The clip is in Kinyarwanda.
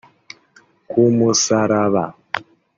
’Ku musaraba’